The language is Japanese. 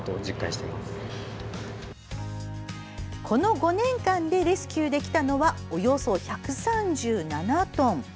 この５年間でレスキューできたのはおよそ１３７トン。